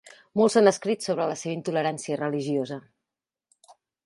Molt se n'ha escrit sobre la seva intolerància religiosa.